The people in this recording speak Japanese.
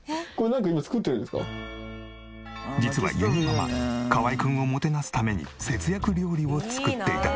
実はゆにママ河合くんをもてなすために節約料理を作っていた。